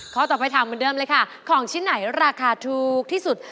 ข้อต่อไปถามเหมือนเดิมเลยค่ะของชิ้นไหนราคาถูกที่สุด